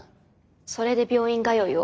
それで病院通いを。